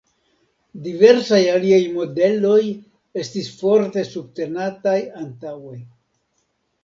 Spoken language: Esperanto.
Diversaj alia modeloj estis forte subtenataj antaŭe.